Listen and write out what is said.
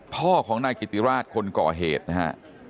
พ่อของนายกิติราชคนก่อเหตุนะฮะ